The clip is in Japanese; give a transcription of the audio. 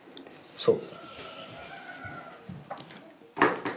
そう！